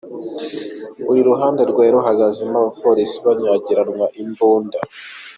Buri ruhande rwari ruhagazemo abapolisi banyagiranwa imbunda.